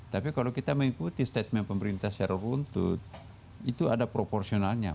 tapi kalau kita mengikuti statement pemerintah secara runtut itu ada proporsionalnya